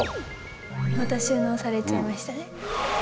また収納されちゃいましたね。